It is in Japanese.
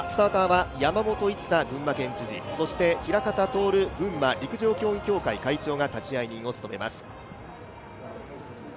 スターターは山本一太群馬県知事、平方亨群馬陸上競技協会会長が立会人を務めます。